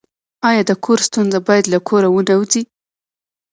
آیا د کور ستونزه باید له کوره ونه وځي؟